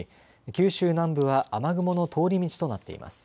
九州南部は雨雲の通り道となっています。